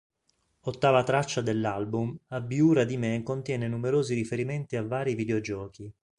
Ottava traccia dell'album, "Abiura di me" contiene numerosi riferimenti a vari videogiochi.